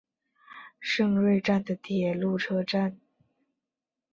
胜瑞站的铁路车站。